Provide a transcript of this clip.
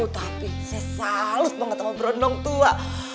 tapi saya salus banget sama berendang tua